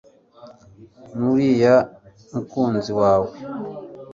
nuriya mukunzi wawe